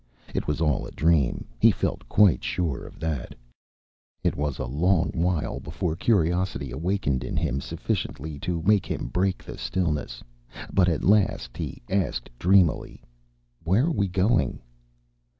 It was all a dream. He felt quite sure of that. It was a long while before curiosity awakened in him sufficiently to make him break the stillness. But at last he asked dreamily, "Where are we going?"